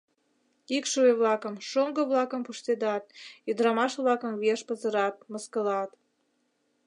Икшыве-влакым, шоҥго-влакым пуштедат, ӱдырамаш-влакым виеш пызырат, мыскылат.